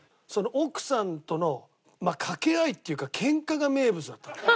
奥さんとの掛け合いっていうかケンカが名物だったの。